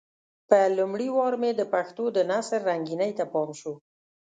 په لومړي وار مې د پښتو د نثر رنګينۍ ته پام شو.